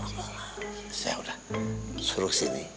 saya udah suruh sini